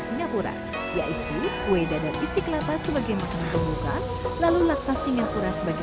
singapura yaitu kue dada dan isi kelapa sebagai makanan pembuka lalu laksa singapura sebagai